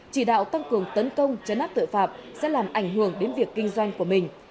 chỉ đạo tăng cường tấn công chấn áp tội phạm sẽ làm ảnh hưởng đến việc kinh doanh của mình